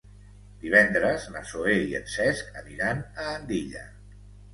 Divendres na Zoè i en Cesc aniran a Andilla.